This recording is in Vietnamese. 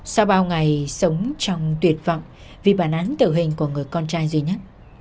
sau bao ngày sống trong tuyệt vọng vì bản án tử hình của người con trai duy nhất